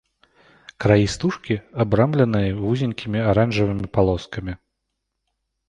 Краі стужкі абрамленыя вузенькімі аранжавымі палоскамі.